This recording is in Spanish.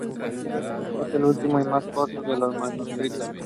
Éste es el último y el más corto de los manuscritos.